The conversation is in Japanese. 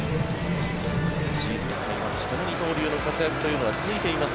シーズンが開幕して二刀流での活躍が続いています。